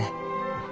うん。